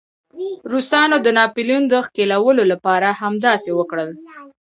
روسانو د ناپلیون د ښکېلولو لپاره همداسې وکړل.